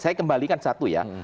saya kembalikan satu ya